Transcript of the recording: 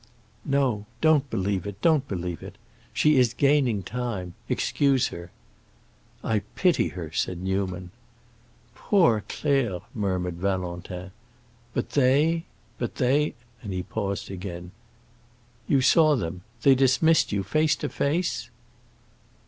"No. Don't believe it, don't believe it. She is gaining time; excuse her." "I pity her!" said Newman. "Poor Claire!" murmured Valentin. "But they—but they"—and he paused again. "You saw them; they dismissed you, face to face?"